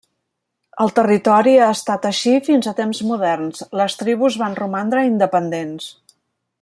El territori ha restat així fins a temps moderns; les tribus van romandre independents.